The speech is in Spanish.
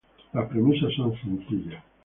Las premisas son sencillas.